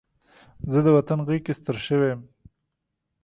زه د وطن غېږ کې ستر شوی یم